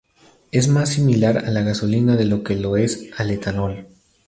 Es más similar a la gasolina de lo que lo es al etanol.